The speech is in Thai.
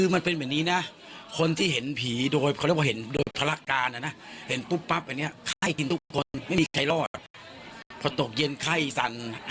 ฟังหมอปลาหน่อยค่ะ